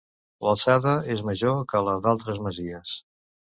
L'alçada és major que la d'altres masies.